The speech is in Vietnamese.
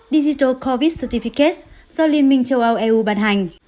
digital covid certificates do liên minh châu âu eu bàn hành